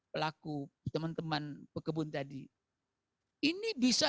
pelaku teman teman pekebun tadi ini bisa